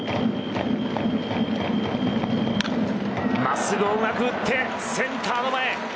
真っすぐをうまく打ってセンターの前。